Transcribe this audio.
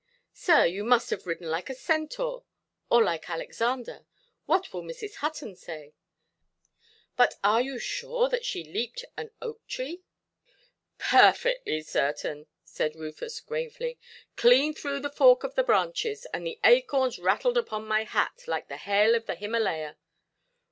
"Sir, you must have ridden like a Centaur, or like Alexander. What will Mrs. Hutton say? But are you sure that she leaped an oak–tree"? "Perfectly certain", said Rufus, gravely, "clean through the fork of the branches, and the acorns rattled upon my hat, like the hail of the Himalaya".